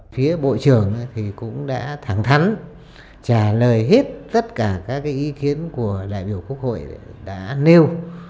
phía bộ trưởng thì cũng đã thẳng thắn trả lời hết tất cả các ý kiến của đại biểu quốc hội đã nêu